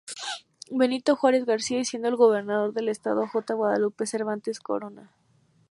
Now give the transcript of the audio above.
Benito Juárez García y siendo el Gobernador del Estado J. Guadalupe Cervantes Corona.